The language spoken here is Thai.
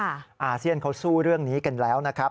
อาเซียนเขาสู้เรื่องนี้กันแล้วนะครับ